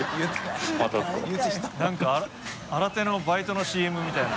何か新手のバイトのＣＭみたいな。